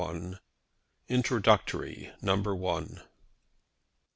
INTRODUCTORY. NUMBER ONE.